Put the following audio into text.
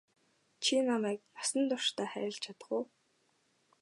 Чи намайг насан туршдаа хайрлаж чадах уу?